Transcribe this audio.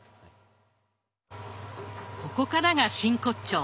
ここからが真骨頂。